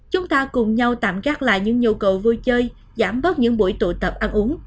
chúng ta cùng nhau tạm gác lại những nhu cầu vui chơi giảm bớt những buổi tụ tập ăn uống